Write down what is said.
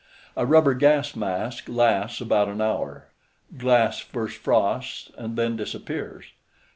A rubber gas mask lasts about an hour. Glass first frosts and then disappears.